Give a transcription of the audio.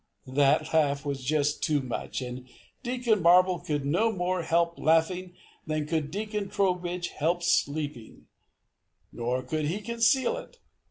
That laugh was just too much, and Deacon Marble could no more help laughing than could Deacon Trowbridge help sleeping. Nor could he conceal it.